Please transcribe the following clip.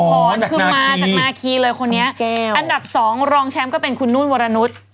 คือมาจากนาคีเลยคนนี้อันดับสองรองแชมป์ก็เป็นคุณนุ่นวรนุษย์